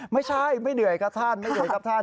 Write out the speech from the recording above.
ไม่เหนื่อยครับท่านไม่เหนื่อยกับท่าน